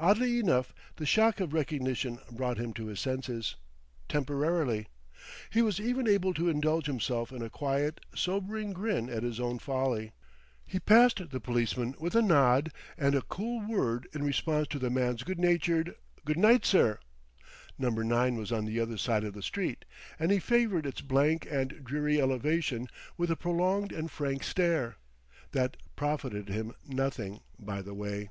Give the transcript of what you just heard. Oddly enough, the shock of recognition brought him to his senses, temporarily. He was even able to indulge himself in a quiet, sobering grin at his own folly. He passed the policeman with a nod and a cool word in response to the man's good natured, "Good night, sir." Number 9 was on the other side of the street; and he favored its blank and dreary elevation with a prolonged and frank stare that profited him nothing, by the way.